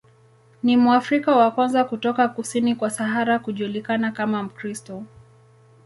Ni Mwafrika wa kwanza kutoka kusini kwa Sahara kujulikana kama Mkristo.